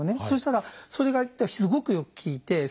そしたらそれがすごくよく効いて。